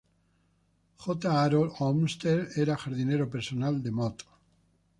J Harold Olmsted, era jardinero personal de Mott.